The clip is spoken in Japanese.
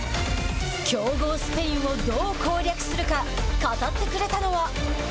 強豪スペインをどう攻略するか語ってくれたのは。